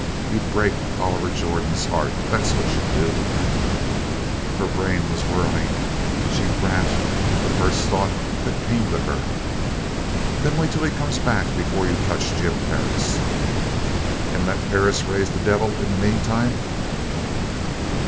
You'd break Oliver Jordan's heart. That's what you'd do!" Her brain was whirling. She grasped at the first thought that came to her. "Then wait till he comes back before you touch Jim Perris." "And let Perris raise the devil in the meantime?"